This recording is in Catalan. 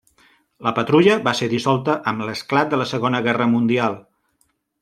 La patrulla va ser dissolta amb l'esclat de la Segona Guerra Mundial.